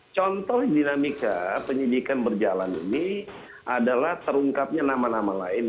contoh dinamika penyidikan berjalan ini adalah terungkapnya nama nama lain